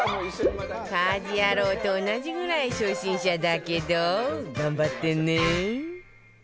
家事ヤロウと同じぐらい初心者だけど頑張ってね